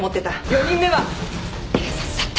４人目は警察だった。